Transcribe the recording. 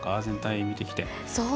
全体、見てきて。